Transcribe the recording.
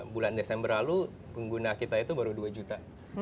bulan desember lalu pengguna kita itu baru dua juta